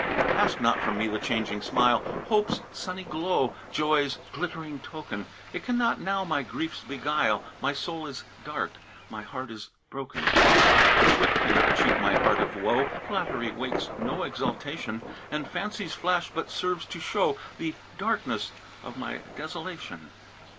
"Ask not from me the changing smile, Hope's sunny glow, Joy's glittering token; It cannot now my griefs beguile My soul is dark, my heart is broken! "Wit cannot cheat my heart of woe, Flattery wakes no exultation; And Fancy's flash but serves to show The darkness of my desolation!